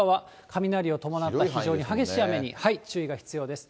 雷を伴った非常に激しい雨に注意が必要です。